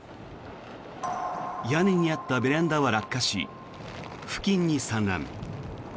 屋根にあったベランダは落下し付近に散乱。